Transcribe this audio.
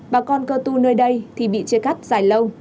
bà con cơ tu nơi đây thì bị chia cắt dài lâu